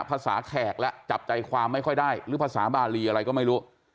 แขกแล้วจับใจความไม่ค่อยได้หรือภาษาบาลีอะไรก็ไม่รู้